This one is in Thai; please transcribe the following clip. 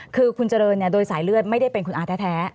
คือคุณเจริญโดยสายเลือดไม่ได้เป็นคุณอาแท้